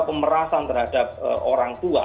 pemerasan terhadap orang tua